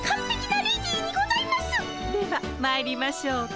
ではまいりましょうか。